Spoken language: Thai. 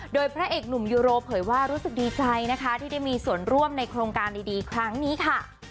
โดยพระเอกหนุ่มยูโรเผยว่ารู้สึกดีใจนะคะที่ได้มีส่วนร่วมในโครงการดีครั้งนี้ค่ะ